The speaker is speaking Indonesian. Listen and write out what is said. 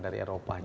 dari eropa ya